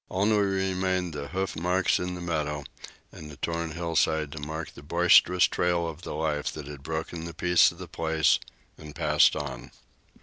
Only remained the hoof marks in the meadow and the torn hillside to mark the boisterous trail of the life that had broken the peace of the place and passed on.